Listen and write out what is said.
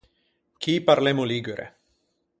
Chì parlemmo ligure.